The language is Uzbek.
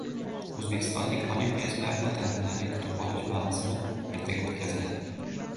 O‘zbekistonlik olimpiyachilarni tantanali kutib olish marosimi ertaga o‘tkaziladi